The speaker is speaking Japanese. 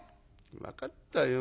「分かったよ。